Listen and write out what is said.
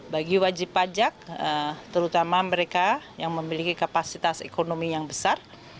bagi wajib pajak terutama mereka yang memiliki kapasitas ekonomi yang besar